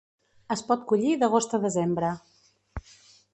Es pot collir d'agost a desembre.